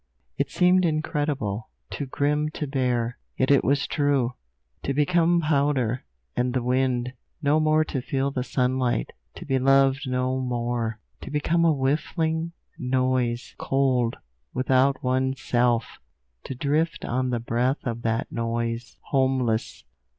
It seemed incredible, too grim to bear; yet it was true! To become powder, and the wind; no more to feel the sunlight; to be loved no more! To become a whiffling noise, cold, without one's self! To drift on the breath of that noise, homeless!